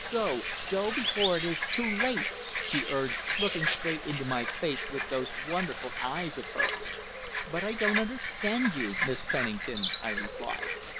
Go! go, before it is too late!" she urged, looking straight into my face with those wonderful eyes of hers. "But I don't understand you, Miss Pennington," I replied.